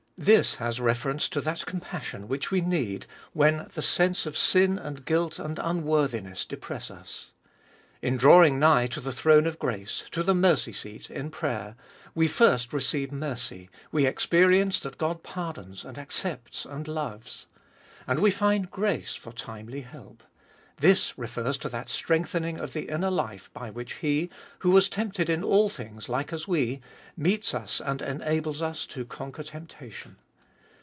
This has reference to that compassion which we need when the sense of sin and guilt and unworthiness depress us. In drawing nigh to the throne of grace, to the mercy seat, in prayer, we first receive mercy, we experience that God pardons and accepts and loves. And we find grace for timely help. This refers to that strengthening of the inner life by which He, who was tempted in all things like as we, meets us and enables us to conquer temptation.